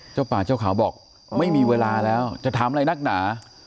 เจ้าป่าเจ้าเขาบอกไม่มีเวลาแล้วจะถามอะไรนักหนา